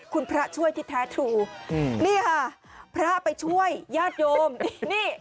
คุณพระช่วยที่แท้ทูนี่ค่ะพระไปช่วยญาติโยมนี่